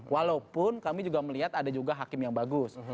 walaupun kami juga melihat ada juga hakim yang bagus